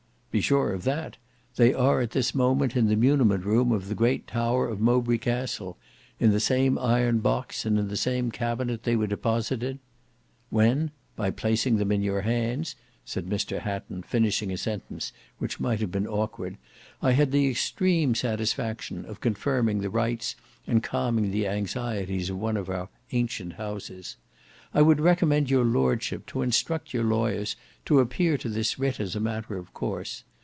"Be sure of that. They are at this moment in the muniment room of the great tower of Mowbray Castle; in the same iron box and in the same cabinet they were deposited—" "When, by placing them in your hands," said Mr Hatton finishing a sentence which might have been awkward, "I had the extreme satisfaction of confirming the rights and calming the anxieties of one of our ancient houses. I would recommend your lordship to instruct your lawyers to appear to this writ as a matter of course.